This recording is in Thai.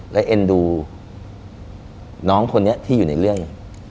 และเอ็นดูน้องคนนี้ที่อยู่ในเรื่อง